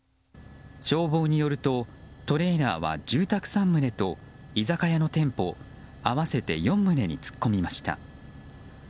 消防によると、トレーラーは住宅３棟と居酒屋の店舗合わせて４棟に突っ込みました。